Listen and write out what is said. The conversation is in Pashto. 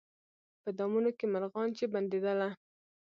په دامونو کي مرغان چي بندېدله